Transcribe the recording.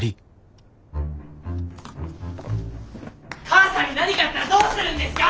母さんに何かあったらどうするんですか！